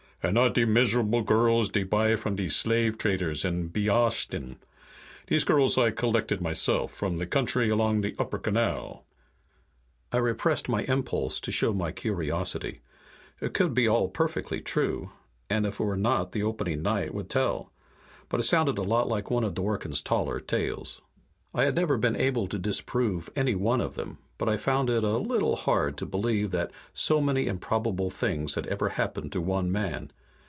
"And not de miserable girls dey buy from de slave traders in Behastin. Dese girls I collected myself, from de country along de Upper Canal." I repressed my impulse to show my curiosity. It could all be perfectly true and if it were not the opening night would tell. But it sounded a lot like one of Dworken's taller tales. I had never been able to disprove any one of them, but I found it a little hard to believe that so many improbable things had ever happened to one man.